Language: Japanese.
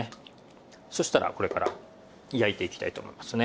そしたらこれから焼いていきたいと思いますね。